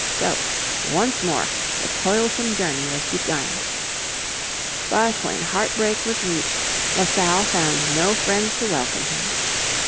So once more the toilsome journey was begun. But when Heart break was reached, La Salle found no friend to welcome him.